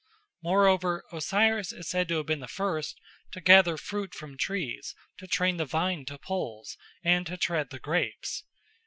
Moreover, Osiris is said to have been the first to gather fruit from trees, to train the vine to poles, and to tread the grapes.